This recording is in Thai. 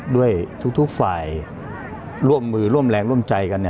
ด้วยทุกฝ่ายร่วมมือร่วมแรงร่วมใจกัน